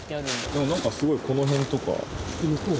でも何かすごいこの辺とか。